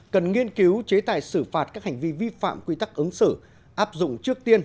cần nghiên cứu chế tài xử phạt các hành vi vi phạm quy tắc ứng xử áp dụng trước tiên